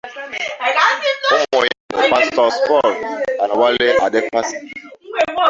Umu ya bu pastors Paul and Wale Adefarasin.